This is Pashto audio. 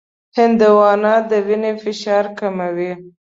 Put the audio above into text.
هندوانه د وینې فشار کموي.